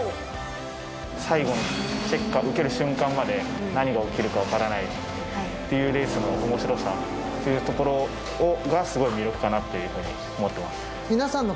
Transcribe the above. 最後のチェッカー受ける瞬間まで何が起きるかわからないっていうレースのおもしろさっていうところがすごい魅力かなっていうふうに思ってます。